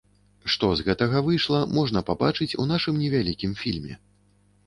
Што з гэтага выйшла, можна пабачыць у нашым невялікім фільме.